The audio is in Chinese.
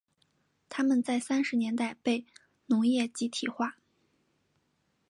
他们在三十年代被农业集体化。